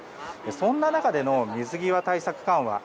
そんな中での水際対策緩和。